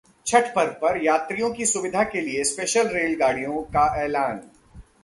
छठ पर्व पर यात्रियों की सुविधा के लिए स्पेशल रेलगाड़ियों का ऐलान